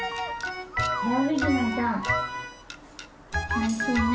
おいしいね。